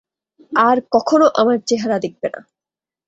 আর কখনো আমার চেহারা দেখবে না।